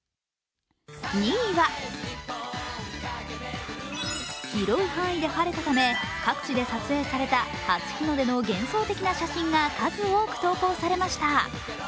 ２位は広い範囲で晴れたため各地で撮影された初日の出の幻想的な写真が数多く投稿されました。